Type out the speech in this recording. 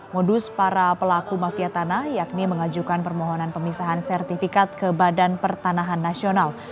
modus para pelaku mafia tanah yakni mengajukan permohonan pemisahan sertifikat ke badan pertanahan nasional